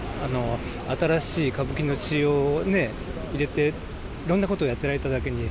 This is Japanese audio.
新しい歌舞伎の血を入れていろんなことをやっておられただけに。